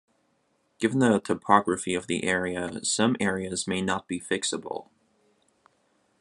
Given the topography of the area, some areas may not be fixable.